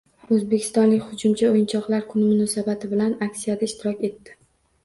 O‘zbekistonlik hujumchi O‘yinchoqlar kuni munosabati bilan aksiyada ishtirok etdi